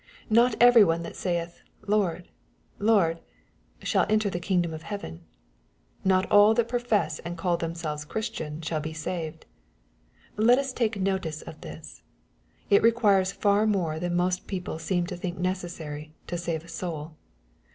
Not every one that saith '^ Lord, Lord/' shall enter the kingdom of heaven. Not all that profess and call themselves Christians shall be saved. Let us take notice of this. It requires ISeul more than most people seem to think necessary, to save a soul.